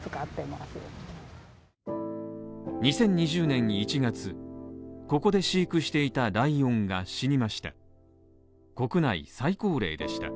２０２０年１月ここで飼育していたライオンが死にました。